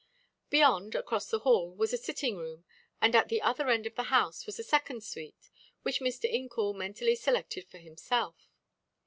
Beyond, across the hall, was a sitting room, and at the other end of the house was a second suite, which Mr. Incoul mentally selected for himself.